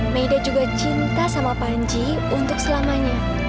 mayda juga cinta sama panji untuk selamanya